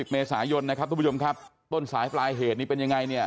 เมษายนนะครับทุกผู้ชมครับต้นสายปลายเหตุนี้เป็นยังไงเนี่ย